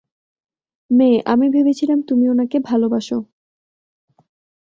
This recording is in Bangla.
মে, আমি ভেবেছিলাম তুমি ওনাকে ভালোবাসো।